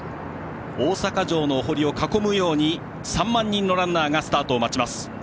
大阪城のお堀を囲むように３万人のランナーがスタートを待ちます。